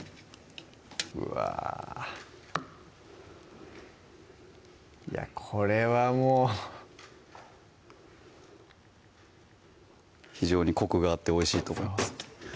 うわこれはもう非常にコクがあっておいしいと思います